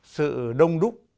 sự đông đúc